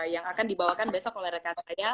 yang akan dibawakan besok oleh rekan saya